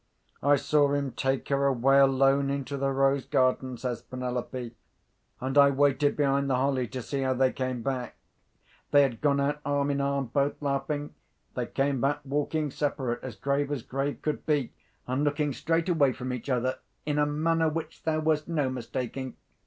"I saw him take her away alone into the rose garden," says Penelope. "And I waited behind the holly to see how they came back. They had gone out arm in arm, both laughing. They came back, walking separate, as grave as grave could be, and looking straight away from each other in a manner which there was no mistaking.